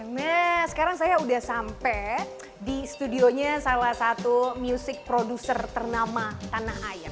nah sekarang saya sudah sampai di studionya salah satu music producer ternama tanah air